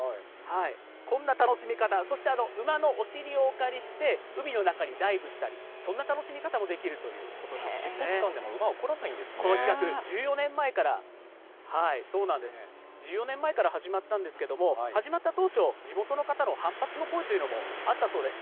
こんな楽しみ方、そして馬のお尻をお借りして、海の中にダイブしたり、そんな楽しみ方もできると尻尾つかんでも馬、怒らないこの企画、１４年前から始まったんですけども、始まった当初、地元の方の反発の声というのもあったそうです。